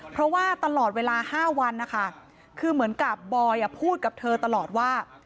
เพราะว่าตลอดเวลา๕วันนะคะคือเหมือนกับบอยพูดกับเธอตลอดว่า